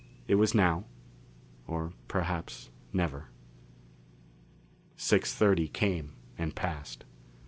It was now, or perhaps never. Six thirty came and passed.